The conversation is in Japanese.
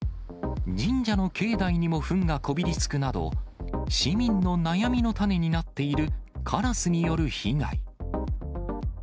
神社の境内にもふんがこびりつくなど、市民の悩みの種になっているカラスによる被害。